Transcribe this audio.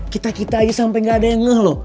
kita kita aja sampai gak ada yang ngeh loh